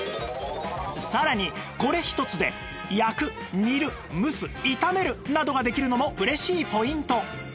さらにこれ一つで焼く煮る蒸す炒めるなどができるのも嬉しいポイント